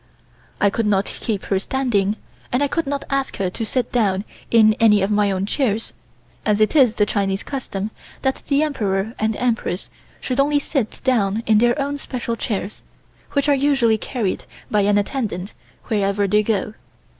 I could not keep her standing, and I could not ask her to sit down in any of my own chairs, as it is the Chinese custom that the Emperor and Empress should only sit down in their own special chairs, which are usually carried by an attendant wherever they go.